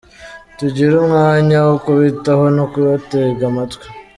Tugire umwanya wo kubitaho no kubatega amatwi.